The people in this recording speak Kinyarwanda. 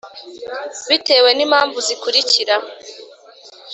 bitewe n impamvu zikurikira